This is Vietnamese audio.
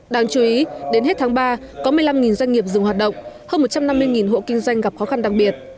đáng chú ý đến hết tháng ba có một mươi năm doanh nghiệp dừng hoạt động hơn một trăm năm mươi hộ kinh doanh gặp khó khăn đặc biệt